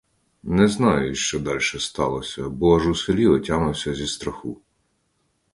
Не знаю, що дальше сталося, бо аж у селі отямився зі страху.